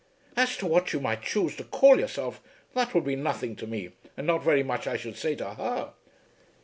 "As to what you might choose to call yourself, that would be nothing to me and not very much I should say, to her.